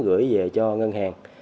gửi về cho ngân hàng